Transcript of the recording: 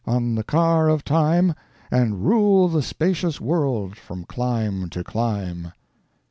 on the car of Time, And rule the spacious world from clime to clime."